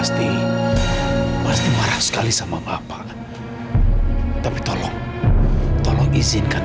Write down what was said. terima kasih pak